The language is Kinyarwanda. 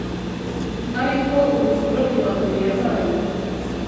ari ho umukoloni wa mbere yabaye